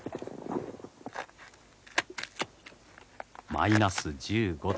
マイナス１５度。